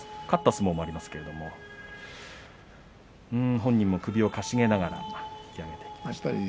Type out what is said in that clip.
勝った相撲もありますけれども本人も首をかしげながら引き揚げていきました。